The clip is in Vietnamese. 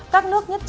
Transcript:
các nước nhất triển